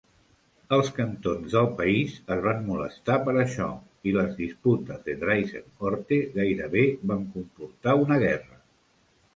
Els cantons del país es van molestar per això i les disputes de Dreizehn Orte gairebé van comportar una guerra.